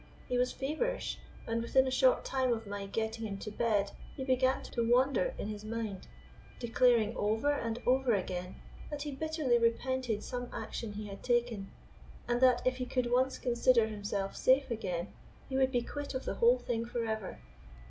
He was feverish, and within a short time of my getting him to bed he began to wander in his mind, declaring over and over again that he bitterly repented some action he had taken, and that if he could once consider himself safe again would be quit of the whole thing forever.